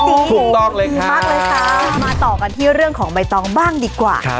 ถูกต้องเลยครับพักเลยค่ะมาต่อกันที่เรื่องของใบตองบ้างดีกว่า